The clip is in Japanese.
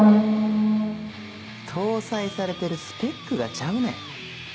搭載されてるスペックがちゃうねん。